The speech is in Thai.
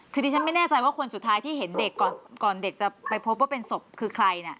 คือดิฉันไม่แน่ใจว่าคนสุดท้ายที่เห็นเด็กก่อนเด็กจะไปพบว่าเป็นศพคือใครนะ